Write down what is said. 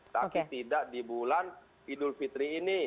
tapi tidak di bulan idul fitri ini